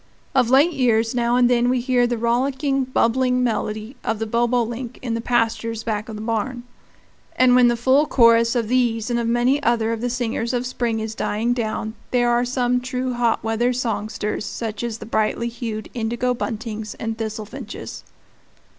Of late years now and then we hear the rollicking, bubbling melody of the bobolink in the pastures back of the barn; and when the full chorus of these and of many other of the singers of spring is dying down, there are some true hot weather songsters, such as the brightly hued indigo buntings and thistlefinches.